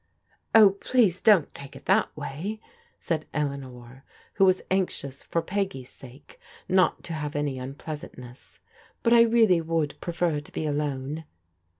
" Oh, please don't take it that way," said Eleanor, who was anxious for Peggy's sake not to have any un pleasantness, "but I really would prefer to be alone."